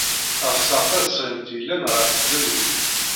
Ɣseɣ tasɣimt yellan ɣer tzewwut.